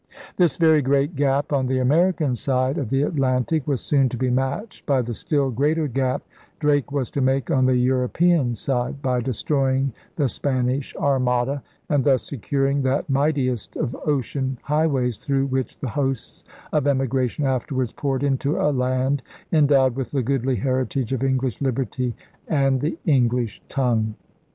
' This *very great gap' on the American side of DRAKE CLIPS THE WINGS OF SPAIN 163 the Atlantic was soon to be matched by the still greater gap Drake was to make on the European side by destroying the Spanish Armada and thus securing that mightiest of ocean highways through which the hosts of emigration afterwards poured into a land endowed with the goodly heritage of English liberty and the English tongue.